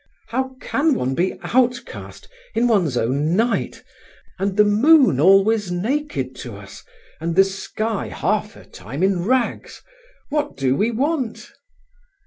How can one be outcast in one's own night, and the moon always naked to us, and the sky half her time in rags? What do we want?"